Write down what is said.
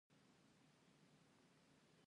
ستا د خوښې لوبې څه دي؟